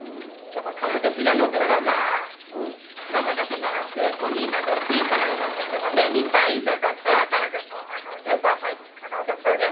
私が乗ったラバだけじゃなく、小さな馬もいるので、２歳以上だったら誰でも乗馬体験可能だそうです。